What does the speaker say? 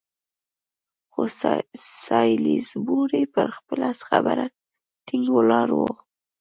خو سالیزبوري پر خپله خبره ټینګ ولاړ وو.